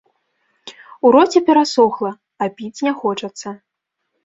У роце перасохла, а піць не хочацца.